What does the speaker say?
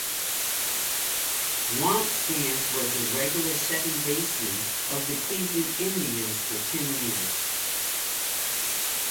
Wambsganss was the regular second baseman of the Cleveland Indians for ten years.